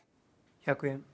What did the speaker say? １００円。